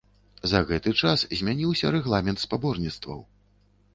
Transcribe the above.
За гэты час змяніўся рэгламент спаборніцтваў.